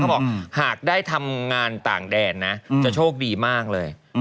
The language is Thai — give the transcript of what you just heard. บอกหากได้ทำงานต่างแดนนะจะโชคดีมากเลย